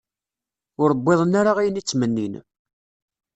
Ur wwiḍen ara ayen i ttmennin.